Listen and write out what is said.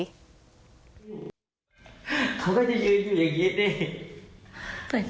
เขาก็จะยืนอยู่อย่างนี้ดิ